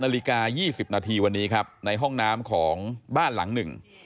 นาฬิกา๒๐นาทีวันนี้ครับในห้องน้ำของบ้านหลังหนึ่ง